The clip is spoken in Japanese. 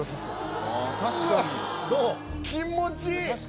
気持ちいい！